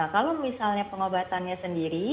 kalau misalnya pengobatannya sendiri